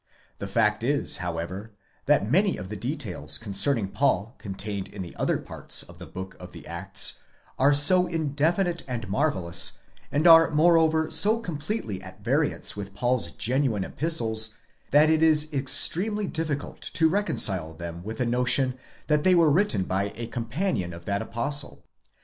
The fact is, however, that many of the details concerning Paul, contained in other parts of the book of the Acts, are so indefinite and marvellous, and are moreover so completely at variance with Paul's genuine epistles, that it is extremely difficult to reconcile them with the notion that they were written by a com panion of that apostle.